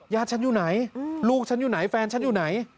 ฉันอยู่ไหนลูกฉันอยู่ไหนแฟนฉันอยู่ไหน